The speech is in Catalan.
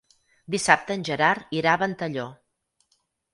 Dissabte en Gerard irà a Ventalló.